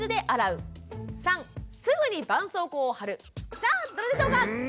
さあどれでしょうか？